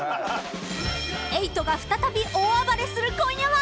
［瑛人が再び大暴れする今夜は］